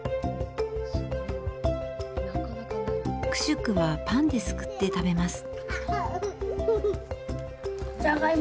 クシュクは、パンで、すくって食べます。